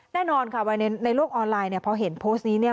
แน่นอนค่ะว่าในโลกออนไลน์พอเห็นโพสต์นี้